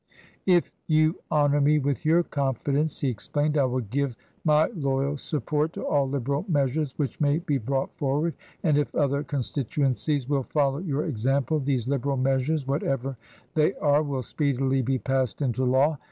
"If you honour me with your confidence," he ex plained, " I Will give my loyal support to all Liberal measures which may be brought forward ; and if other constituencies will follow your example, these Liberal measures, whatever they are, will speedily be passed into law.